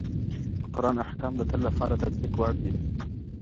د قران احکام د تل لپاره د تطبیق وړ دي.